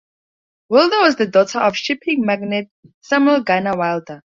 Wilder was the daughter of shipping magnate Samuel Garner Wilder.